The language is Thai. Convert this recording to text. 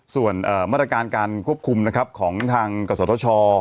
ส่วนมาตรการการควบคุมนะครับของทางกศธช